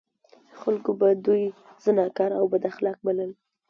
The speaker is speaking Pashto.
خلکو به دوی زناکار او بد اخلاق بلل.